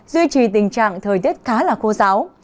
duy trì tình trạng thời tiết khá là khô giáo